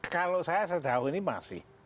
kalau saya sejauh ini masih